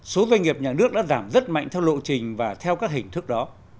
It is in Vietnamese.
số doanh nghiệp nhà nước đã giảm rất mạnh theo lộ trình và theo các hình thức đó